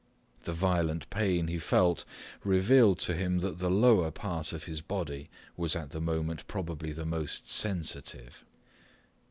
The violent pain he felt revealed to him that the lower part of his body was at the moment probably the most sensitive.